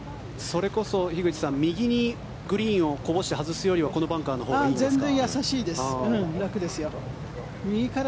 それこそ樋口さん、右にグリーンをこぼして外すよりはこのバンカーのほうがいいですか。